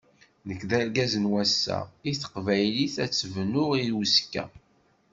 Nekk d argaz n wass-a, i teqbaylit ad tt-bnuɣ i uzekka.